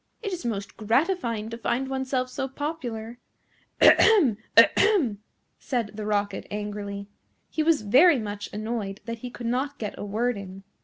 It is most gratifying to find oneself so popular." "Ahem! ahem!" said the Rocket angrily. He was very much annoyed that he could not get a word in.